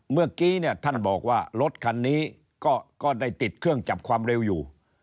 เมื่อกี้เนี่ยท่านบอกว่ารถคันนี้ก็ได้ติดเครื่องจับความเร็วอยู่